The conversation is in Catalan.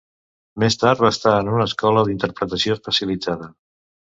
Més tard va estar en una escola d'interpretació especialitzada.